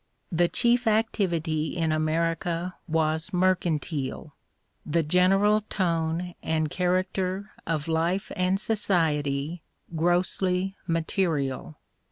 The chief activity in America was mercantile, the general tone and character of life and society grossly material.